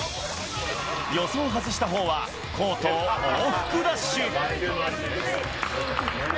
予想を外したほうは、コートを往復ダッシュ。